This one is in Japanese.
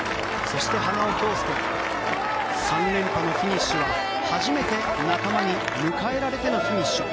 そして、花尾恭輔３連覇のフィニッシュは初めて仲間に迎え入れられてのフィニッシュ。